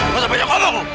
kau tak boleh ngomong